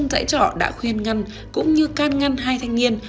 năm dãy trọ đã khuyên ngăn cũng như can ngăn hai thanh niên